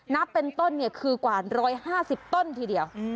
นับเป็นต้นคือกว่า๑๕๐ต้นทีเดียว